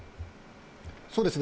そうですね。